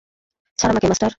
ছাড় আমাকে, মাস্টার!